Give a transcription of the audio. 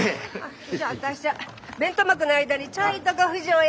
じゃあ私は弁当幕の間にちょいとご不浄へ。